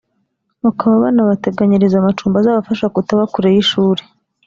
bakaba banabateganyiriza amacumbi azabafasha kutaba kure y’ishuri